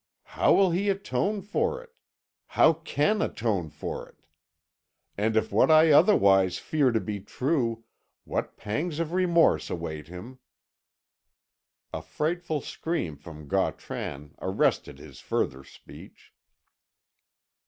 How will he atone for it? how can atone for it? And if what I otherwise fear to be true, what pangs of remorse await him!" A frightful scream from Gautran arrested his further speech.